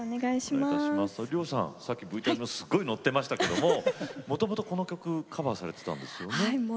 Ｒｙｏさん、ＶＴＲ中すごい乗っていましたけれどももともとこの曲をカバーされていたんですよね。